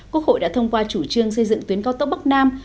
quốc hội đã thông qua chủ trương xây dựng tuyến cao tốc bắc nam